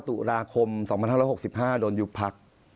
๑๙ตุลาคม๒๐๑๖โดนยุบพัก